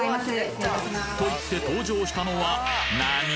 と言って登場したのはなに？